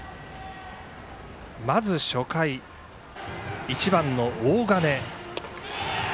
まず初回、１番の大金。